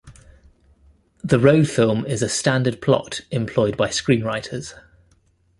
The road film is a standard plot employed by screenwriters.